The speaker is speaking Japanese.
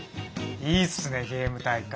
いいっすねゲーム大会。